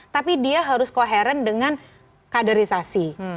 tapi dia harus koheren dengan kaderisasi